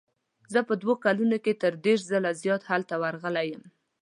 زه په دوو کلونو کې تر دېرش ځله زیات هلته ورغلی یم.